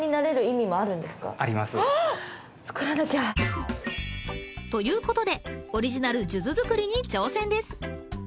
作らなきゃということでオリジナル数珠作りに挑戦です